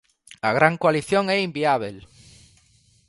A gran coalición é inviábel.